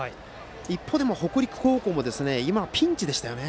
一方、北陸高校も今、ピンチでしたよね。